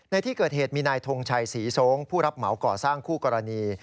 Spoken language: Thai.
ในที่เกิดเหตุมีนายทงชัยศรีทรงผู้รับเหมาก่อสร้างคู่กรณี